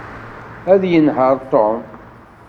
Ad yenheṛ Tom.